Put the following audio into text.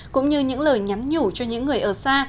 cũng như những lời nhắn nhủ cho những người ở xa